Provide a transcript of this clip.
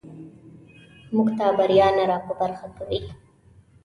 موږ ته بریا نه راپه برخه کوي.